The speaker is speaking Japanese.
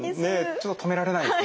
ちょっと止められないですね。